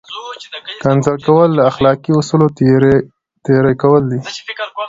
کنځل کول له اخلاقي اصولو تېری کول دي!